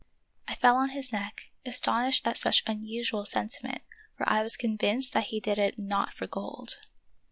I fell on his neck, astonished at such unusual sentiment, for I was convinced that he did it not for gold.